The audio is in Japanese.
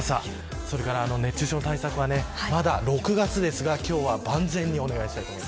それから熱中症対策はまだ６月ですが今日は万全にお願いしたいと思います。